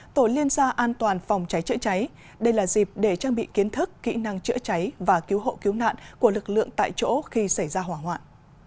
tổ liên gia an toàn phòng cháy chữa cháy đây là dịp để trang bị kiến thức kỹ năng chữa cháy và cứu hộ cứu nạn của lực lượng tại chỗ khi xảy ra hỏa hoạn